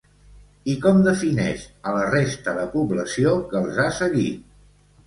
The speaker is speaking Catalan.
I com defineix a la resta de població que els ha seguit?